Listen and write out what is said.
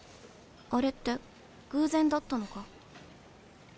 あれって偶然だったのか？